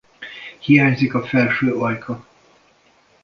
Hiányzik a felső ajka.